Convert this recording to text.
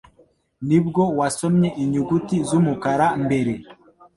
Nibwo wasomye inyuguti z'umukara mbere